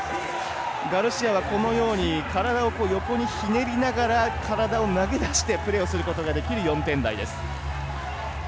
ガルシアは体を横にひねりながら体を投げ出してプレーをすることができる４点台です。